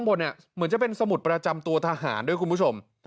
แล้วมีสมุดประจำทั่วทหารด้วยทุกคุณผู้ชม